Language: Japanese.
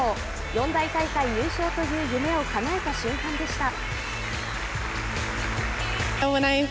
四大大会優勝という夢をかなえた瞬間でした。